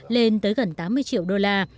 lên tới gần tám mươi triệu đô la